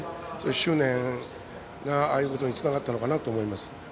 そういう執念がああいうことにつながったのかなと思います。